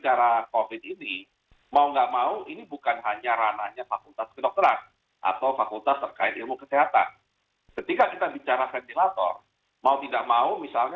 saya seperti bahwa ini adalah master plan tersebut dan saya lebih birds eye siapkan cat